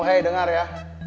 hei dengar ya